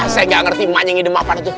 saya gak ngerti manjing idem apaan itu